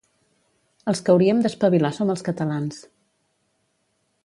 Els que hauríem d'espavilar som els catalans